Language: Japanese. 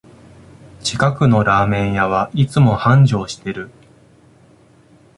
近くのラーメン屋はいつも繁盛してる